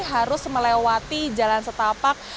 harus melewati jalan setapak